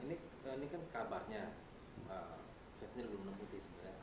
ini kan kabarnya saya sendiri belum menemukan sebenarnya